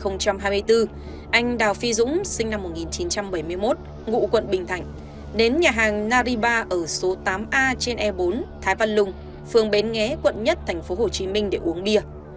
năm một nghìn chín trăm hai mươi bốn anh đào phi dũng sinh năm một nghìn chín trăm bảy mươi một ngụ quận bình thạnh đến nhà hàng nari bar ở số tám a trên e bốn thái văn lung phương bến nghé quận một tp hcm để uống bia